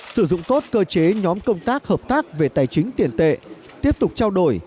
sử dụng tốt cơ chế nhóm công tác hợp tác về tài chính tiền tệ tiếp tục trao đổi